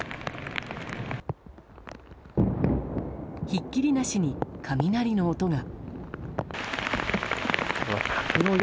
ひっきりなしに雷の音が。